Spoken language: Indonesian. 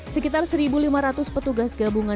sekitar satu lima ratus petugas gabungan di car free day